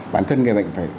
bản thân người bệnh phải